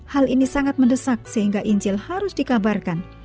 hal ini sangat mendesak sehingga incil harus dikabarkan